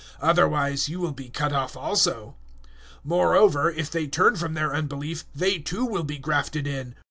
Otherwise you will be cut off also. 011:023 Moreover, if they turn from their unbelief, they too will be grafted in.